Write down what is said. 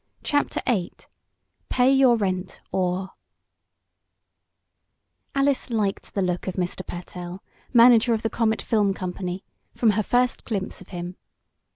CHAPTER VIII "PAY YOUR RENT, OR " Alice liked the appearance of Mr. Pertell, manager of the Comet Film Company, from her first glimpse of him.